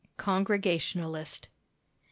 Congregationalist.